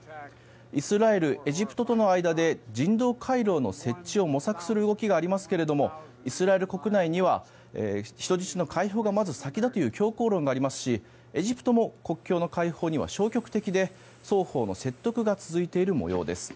イスラエル、エジプトとの間で人道回廊の設置を模索する動きがありますがイスラエル国内には人質の解放がまだ先だという強硬論がありますしエジプトも国境の開放には消極的で、双方の説得が続いている模様です。